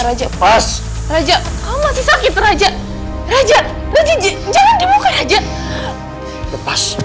raja pas raja kamu masih sakit raja raja raja jangan dibuka aja lepas raja raja